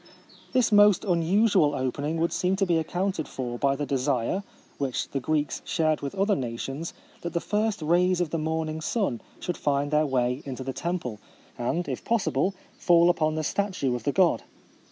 This most unusual opening would seem to be accounted for by the desire, which the Greeks shared with other nations, that the first rays of the morning sun should find their way into the temple, and, if possible, fall upon the statue of the god.